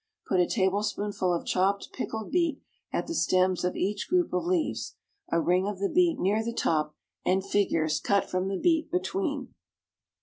Put a tablespoonful of chopped pickled beet at the stems of each group of leaves, a ring of the beet near the top, and figures, cut from the beet, between.